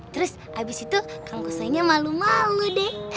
terus abis itu kang kusoynya malu malu deh